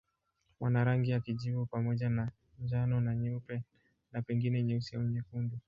Wana rangi ya kijivu pamoja na njano na nyeupe na pengine nyeusi au nyekundu.